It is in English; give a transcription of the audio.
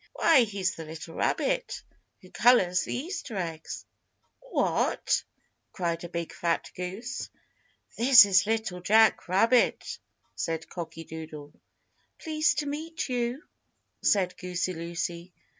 "Why, he's the little rabbit who colors the Easter Eggs!" "What!" cried a big fat goose. "This is Little Jack Rabbit," said Cocky Doodle. "Pleased to meet you," said Goosey Lucy.